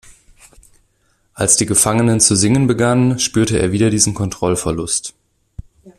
Als die Gefangenen zu singen begannen, spürte er wieder diesen Kontrollverlust.